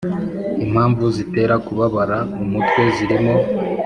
impamvu zitera kubabara umutwe zirimo